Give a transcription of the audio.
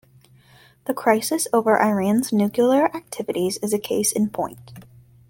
The crisis over Iran's nuclear activities is a case in point.